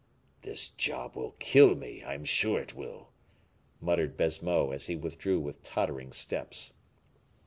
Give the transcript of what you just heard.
"This job will kill me, I am sure it will," muttered Baisemeaux, as he withdrew with tottering steps.